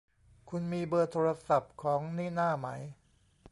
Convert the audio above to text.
คุณมีเบอร์โทรศัพท์ของนิน่าไหม